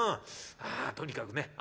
あとにかくね